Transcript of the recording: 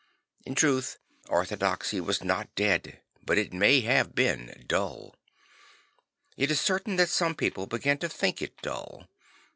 In truth orthodoxy ,vas not dead but it may have been dull; it is certain that some people began to think it dull.